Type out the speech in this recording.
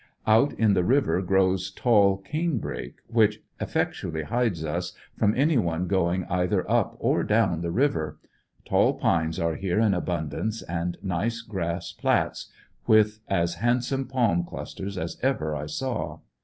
Out in the river grows tall canebrake which effectually hides us from any one going either up or down the river. Tall pines are here in abundance and nice grass plats, with as handsome palm clusters as ever I saw.